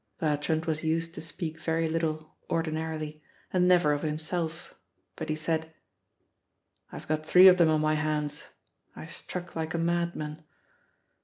Bertrand was used to speak very little ordinarily, and never of himself. But he said, "I've got three of them on my hands. I struck like a madman.